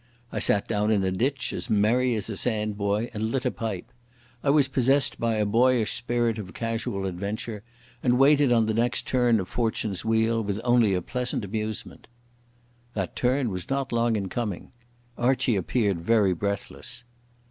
I sat down in a ditch, as merry as a sand boy, and lit a pipe. I was possessed by a boyish spirit of casual adventure, and waited on the next turn of fortune's wheel with only a pleasant amusement. That turn was not long in coming. Archie appeared very breathless.